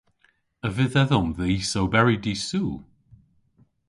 A vydh edhom dhis oberi dy'Sul?